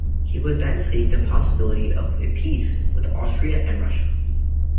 He would then seek the possibility of a peace with Austria and Russia.